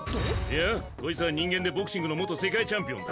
いやこいつは人間でボクシングの元世界チャンピオンだ。